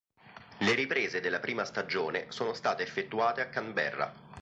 Le riprese della prima stagione sono state effettuate a Canberra.